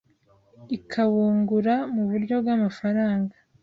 ikabungura mu buryo bw’amafaranga